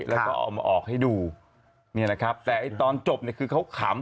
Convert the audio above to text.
แล้วก็เอามาออกให้ดูเนี่ยนะครับแต่ไอ้ตอนจบเนี่ยคือเขาขำ